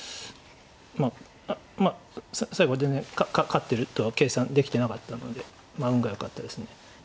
まあ最後は全然勝ってるとは計算できてなかったので運がよかったですね。